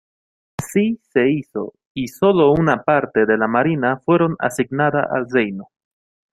Así se hizo, y sólo una parte de la Marina fueron asignada al reino.